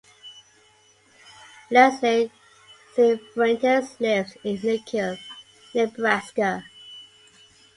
Lesley Cifuentes lives in Lincoln, Nebraska.